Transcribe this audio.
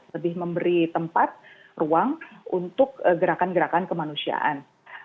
lebih memberi tempat ruang untuk gerakan gerakan kemanusiaan